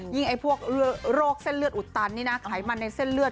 ไอ้พวกโรคเส้นเลือดอุดตันนี่นะไขมันในเส้นเลือด